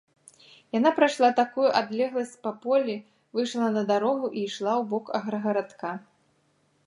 Яна прайшла такую адлегласць па полі, выйшла на дарогу і ішла ў бок аграгарадка.